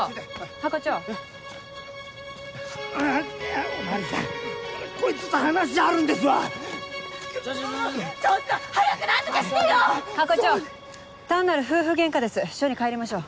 ハコ長単なる夫婦げんかです署に帰りましょう。